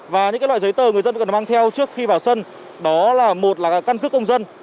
và những loại giấy tờ người dân cần mang theo trước khi vào sân đó là một là căn cước công dân